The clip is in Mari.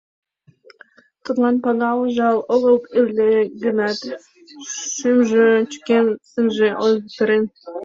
Тудлан Пагул жал огыл ыле гынат, шӱмжӧ чӱчкен, сынже ойгырыктен.